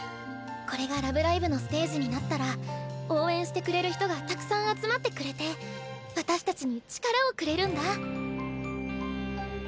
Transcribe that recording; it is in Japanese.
これが「ラブライブ！」のステージになったら応援してくれる人がたくさん集まってくれて私たちに力をくれるんだ。